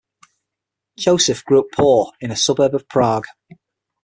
Josef grew up poor in a suburb of Prague.